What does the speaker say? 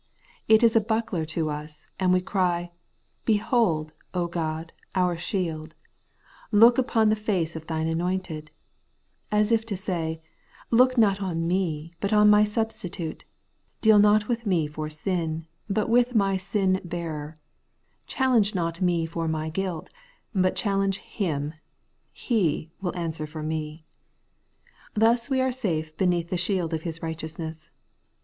It is a buckler to us, and we cry, ' Behold, God, our shield ; look upon the face of Thine Anointed;' as if to say, Look not on me, but on my substitute; deal not with me for sin, but with my sin bearer ; challenge not me for my guilt, but challenge Him ; He will answer for me. ■ Thus we are safe beneath the shield of His righteousness.